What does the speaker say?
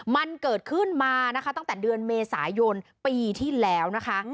มันเกิดขึ้นมานะคะตั้งแต่เดือนเมษายนปีที่แล้วนะคะ